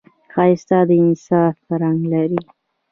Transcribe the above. ښایست د انصاف رنګ لري